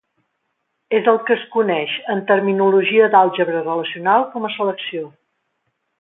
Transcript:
És el que es coneix en terminologia d'àlgebra relacional com a selecció.